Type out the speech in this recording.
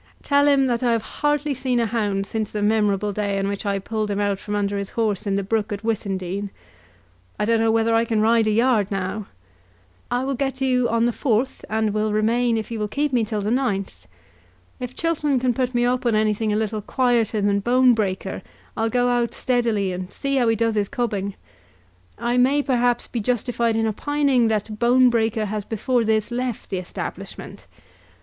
Tell him that I have hardly seen a hound since the memorable day on which I pulled him out from under his horse in the brook at Wissindine. I don't know whether I can ride a yard now. I will get to you on the 4th, and will remain if you will keep me till the 9th. If Chiltern can put me up on anything a little quieter than Bonebreaker, I'll go out steadily, and see how he does his cubbing. I may, perhaps, be justified in opining that Bonebreaker has before this left the establishment.